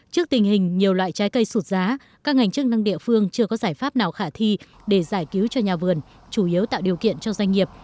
trước tình hình nhiều loại trái cây sụt giá các ngành chức năng địa phương chưa có giải pháp nào khả thi để giải cứu cho nhà vườn chủ yếu tạo điều kiện cho doanh nghiệp